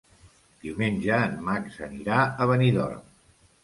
Diumenge en Max anirà a Benidorm.